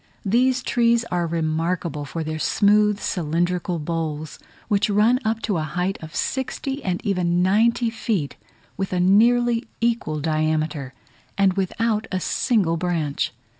These trees are remarkable for their smooth cylindrical boles, which run up to a height of sixty, and even ninety feet, with a nearly equal diameter, and without a single branch.